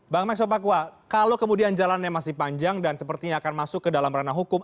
bang max sopakwa kalau kemudian jalannya masih panjang dan sepertinya akan masuk ke dalam ranah hukum